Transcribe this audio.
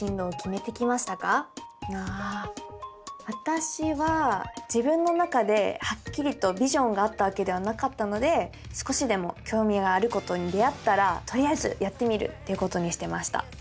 あ私は自分の中ではっきりとビジョンがあったわけではなかったので少しでも興味があることに出会ったらとりあえずやってみるってことにしてました。